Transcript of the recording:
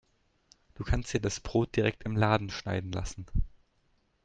Du kannst dir das Brot direkt im Laden schneiden lassen.